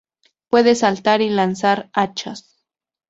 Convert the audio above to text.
Puede saltar y lanzar hachas.